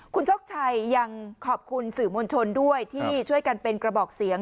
คุณโชคชัยยังขอบคุณสื่อมวลชนด้วยที่ช่วยกันเป็นกระบอกเสียง